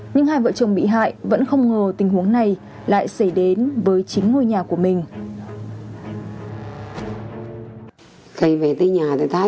nhưng hai vợ chồng bị hại vẫn không ngờ tình huống này lại xảy đến với chính ngôi nhà của mình